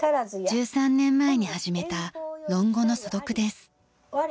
１３年前に始めた『論語』の素読です。